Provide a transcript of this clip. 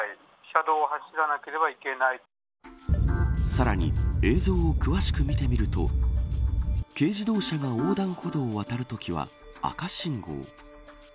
さらに映像を詳しく見てみると軽自動車が横断歩道を渡るときは赤信号。